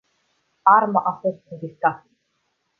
Arma a fost confiscată.